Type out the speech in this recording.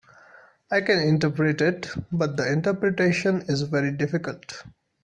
I can interpret it, but the interpretation is very difficult.